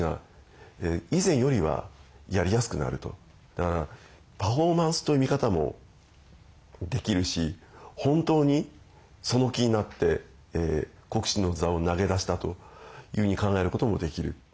だからパフォーマンスという見方もできるし本当にその気になって国主の座を投げ出したというふうに考えることもできる。